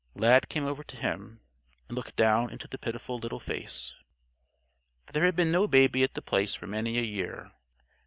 Lad came over to him, and looked down into the pitiful little face. There had been no baby at The Place for many a year.